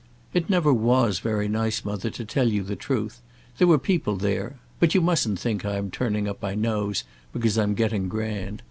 "It never was very nice, mother, to tell you the truth. There were people there . But you mustn't think I am turning up my nose because I'm getting grand.